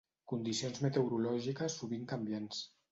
condicions meteorològiques sovint canviants